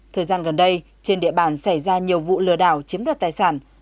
thời gian gần đây trên địa bàn xảy ra nhiều vụ lừa đảo chiếm đoạt tài sản